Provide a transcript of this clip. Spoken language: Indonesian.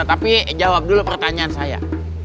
tapi jawab dulu pertanyaan saya